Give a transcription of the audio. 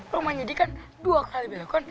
rumahnya dia kan dua kali belokan